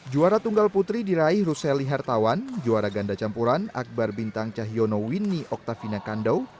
juara tunggal putri diraih ruseli hertawan juara ganda campuran akbar bintang cahyono winnie octavina kandau